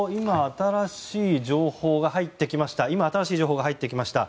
今、新しい情報が入ってきました。